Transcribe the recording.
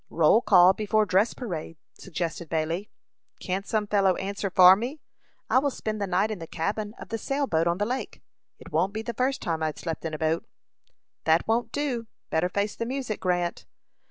"Roll call before dress parade," suggested Bailey. "Can't some fellow answer for me? I will spend the night in the cabin of the sail boat on the lake. It won't be the first time I've slept in a boat." "That won't do. Better face the music, Grant."